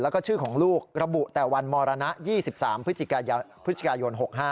แล้วก็ชื่อของลูกระบุแต่วันมรณะ๒๓พฤศจิกายน๖๕